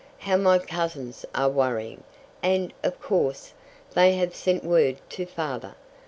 How my cousins are worrying, and, of course, they have sent word to father.